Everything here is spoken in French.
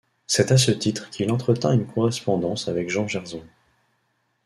C'est à ce titre qu'il entretint une correspondance avec Jean Gerson.